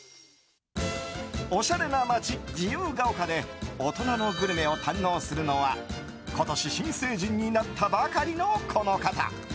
おしゃれな街、自由が丘で大人のグルメを堪能するのは今年、新成人になったばかりのこの方。